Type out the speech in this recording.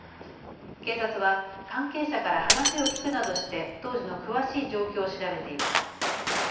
警察は関係者から話を聞くなどして当時の詳しい状況を調べています。